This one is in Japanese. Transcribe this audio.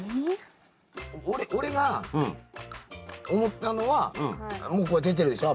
俺が思ったのはもうこれ出てるでしょ